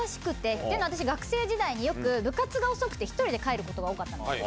ってのは私、学生時代によく部活が遅くて１人で帰ることが多かったんですね。